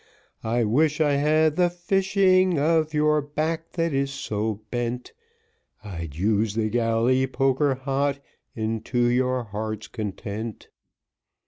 I wish I had the fishing of your back that is so bent, I'd use the galley poker hot unto your heart's content.